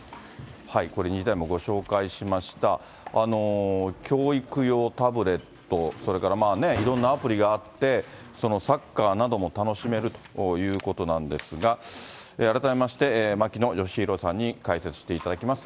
これ、２時台でもご紹介しました、教育用タブレット、それから、いろんなアプリがあって、サッカーなども楽しめるということなんですが、改めまして牧野愛博さんに解説していただきます。